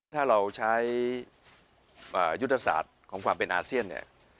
ถ้าเราใช้ยุทธศาสตร์ของความเป็นอาเซียนเนี่ย